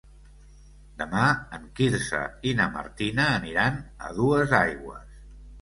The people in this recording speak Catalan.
Demà en Quirze i na Martina aniran a Duesaigües.